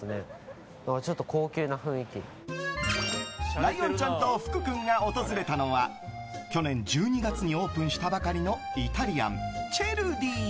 ライオンちゃんと福君が訪れたのは、去年１２月にオープンしたばかりのイタリアン、Ｃｅｒｄｉ。